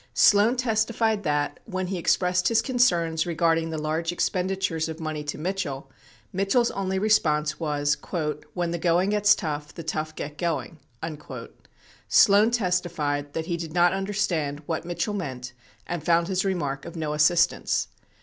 Sloan testified that, when he expressed his concerns regarding the large expenditures of money to Mitchell, Mitchell's only response was : "When the going gets tough, the tough get going.'' 62 Sloan testi fied that he did not understand what Mitchell meant and found his remark of no assistance.